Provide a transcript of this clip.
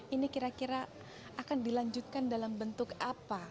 ini kira kira akan dilanjutkan dalam bentuk apa